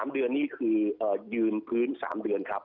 ๓เดือนนี่คือยืนพื้น๓เดือนครับ